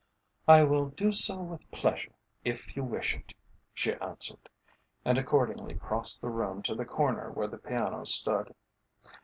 "I will do so with pleasure if you wish it?" she answered, and accordingly crossed the room to the corner where the piano stood.